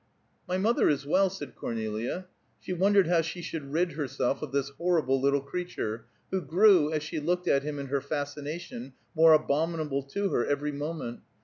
"My mother is well," said Cornelia. She wondered how she should rid herself of this horrible little creature, who grew, as she looked at him in her fascination, more abominable to her every moment.